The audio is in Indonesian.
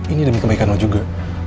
ini demi kebaikan lo juga